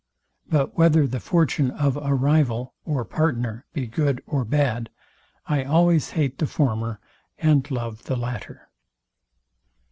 But whether the fortune of a rival or partner be good or bad, I always hate the former and love the latter.